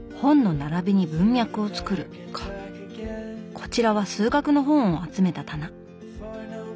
こちらは数学の本を集めた棚。